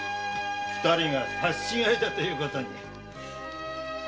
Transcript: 二人が刺し違えたということに。